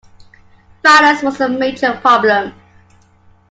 Violence was a major problem.